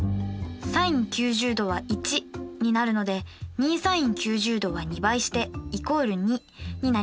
ｓｉｎ９０°は１になるので２ｓｉｎ９０°は２倍して＝２になります。